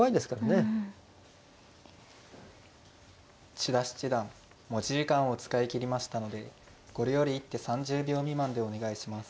千田七段持ち時間を使い切りましたのでこれより一手３０秒未満でお願いします。